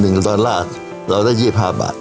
แต่เวลาคืนนี้อ่ะ๑ตอนล่าวไลฟ์เจาะไว้๔๙บาท